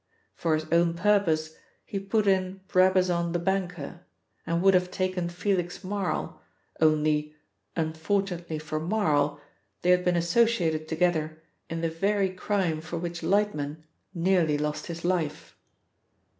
For his own purpose he put in Brabazon the banker, and would have taken Felix Marl only, unfortunately for Marl, they had been associated together in the very crime for which Lightman nearly lost his life.